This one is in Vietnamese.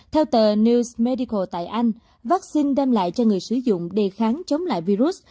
theo tờ news medical tại anh vaccine đem lại cho người sử dụng đề kháng chống lại virus